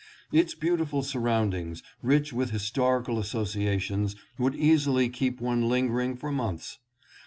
Its beautiful surroundings rich with historical associations would easily keep one lingering for months.